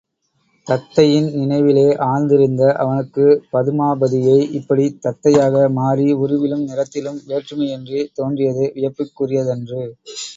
தத்தையின் நினைவிலே ஆழ்ந்திருந்த அவனுக்குப் பதுமாபதியே இப்படித் தத்தையாக மாறி உருவிலும் நிறத்திலும் வேற்றுமையின்றித் தோன்றியது வியப்புக்குரியதன்று.